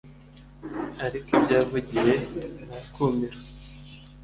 ariko ibyo yahavugiye ni akumiro